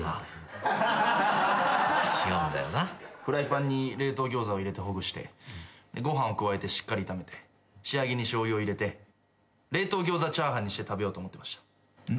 フライパンに冷凍ギョーザを入れてほぐしてご飯を加えてしっかり炒めて仕上げにしょうゆを入れて冷凍ギョーザチャーハンにして食べようと思ってました。